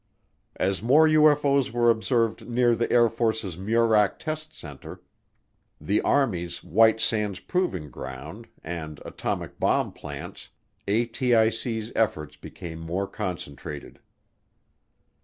As more UFO's were observed near the Air Force's Muroc Test Center, the Army's White Sands Proving Ground, and atomic bomb plants, ATIC's efforts became more concentrated.